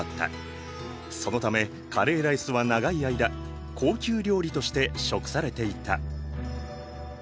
そのためカレーライスは長い間高級料理として食されていた。